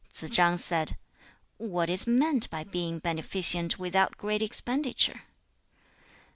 2. Tsze chang said, 'What is meant by being beneficent without great expenditure?'